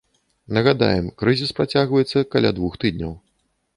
Нагадаем, крызіс працягваецца каля двух тыдняў.